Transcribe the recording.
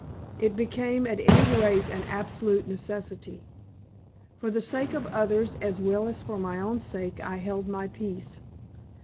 It became at any rate an absolute necessity. For the sake of others as well as for my own sake I held my peace.